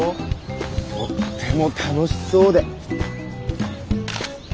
とっても楽しそうで。